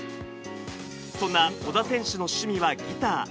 そんな小田選手の趣味はギター。